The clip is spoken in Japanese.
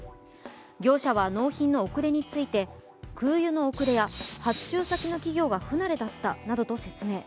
業者は納品の遅れについて空輸の遅れや発注先の企業が不慣れだったなどと説明。